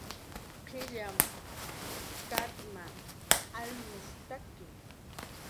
qillyam katma, alnushumtaki